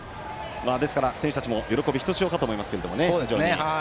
ですから選手たちも喜びひとしおかと思います。